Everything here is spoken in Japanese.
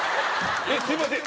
すみません